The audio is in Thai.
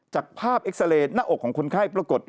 จากภาพเอ็กซาเรย์หน้าอกของคนไข้ปรากฏ